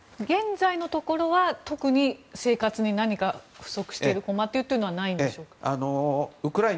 現在のところは特に、生活に何か不足しているものはないのでしょうか。